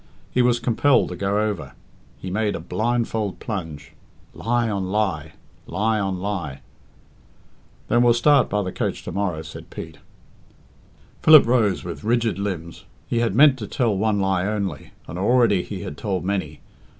He was compelled to go over. He made a blindfold plunge. Lie on lie; lie on lie! "Then we'll start by the coach to morrow," said Pete. Philip rose with rigid limbs. He had meant to tell one lie only, and already he had told many.